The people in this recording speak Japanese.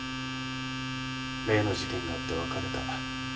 例の事件があって別れた。